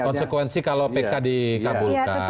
konsekuensi kalau pk dikabulkan